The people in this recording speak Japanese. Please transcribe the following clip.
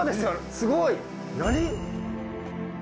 すごい！何？